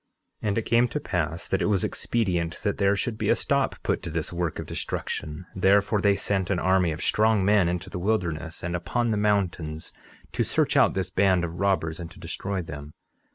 11:28 And it came to pass that it was expedient that there should be a stop put to this work of destruction; therefore they sent an army of strong men into the wilderness and upon the mountains to search out this band of robbers, and to destroy them.